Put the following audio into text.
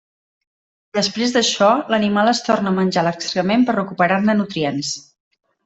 Després d'això, l'animal es torna a menjar l'excrement per recuperar-ne nutrients.